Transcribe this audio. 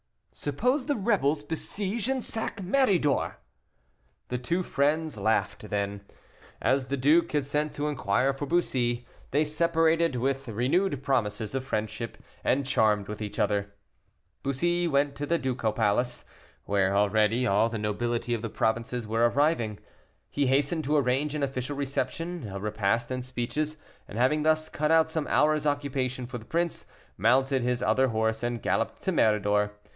"Suppose the rebels besiege and sack Méridor." The two friends laughed; then, as the duke had sent to inquire for Bussy, they separated with renewed promises of friendship, and charmed with each other. Bussy went to the ducal palace, where already all the nobility of the provinces were arriving. He hastened to arrange an official reception, a repast and speeches, and having thus cut out some hours' occupation for the prince, mounted his other horse, and galloped to Méridor.